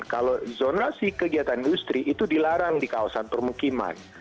kalau zonasi kegiatan industri itu dilarang di kawasan permukiman